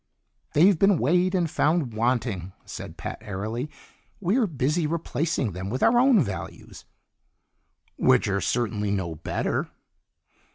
"They've been weighed and found wanting," said Pat airily. "We're busy replacing them with our own values." "Which are certainly no better."